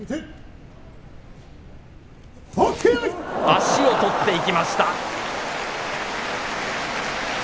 足を取っていきました。